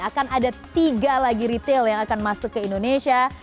akan ada tiga lagi retail yang akan masuk ke indonesia